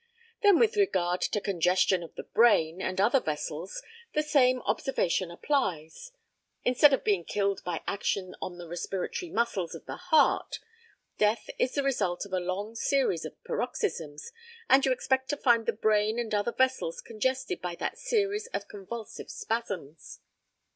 Then with regard to congestion of the brain, and other vessels, the same observation applies. Instead of being killed by action on the respiratory muscles of the heart, death is the result of a long series of paroxysms, and you expect to find the brain and other vessels congested by that series of convulsive spasms.